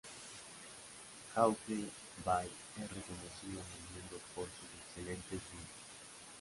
Hawke's Bay es reconocida en el mundo por sus excelentes vinos.